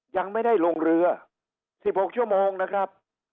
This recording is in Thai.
ยังไม่ได้ลงเรือ๑๖ชั่วโมงนะครับ